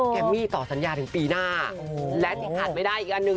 มมี่ต่อสัญญาถึงปีหน้าและที่ขาดไม่ได้อีกอันหนึ่ง